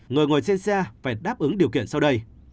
người ngồi trên xe phải đáp ứng điều kiện sau đây